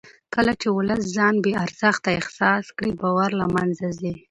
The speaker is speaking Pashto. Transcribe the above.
کله چې ولس ځان بې ارزښته احساس کړي باور له منځه ځي